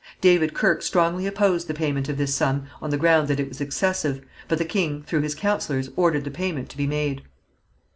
David Kirke strongly opposed the payment of this sum on the ground that it was excessive, but the king through his councillors ordered the payment to be made.